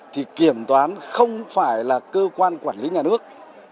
thì kiểm toán không phải là cơ quan quản lý nhà nước